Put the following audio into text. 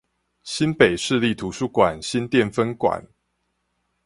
新北市立圖書館新店分館